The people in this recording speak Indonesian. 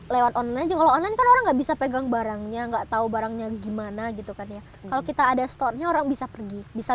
lewat online aja kalau online kan orang nggak bisa pegang barangnya nggak tahu barangnya gimana gitu kan ya kalau kita ada store nya orang bisa pergi bisa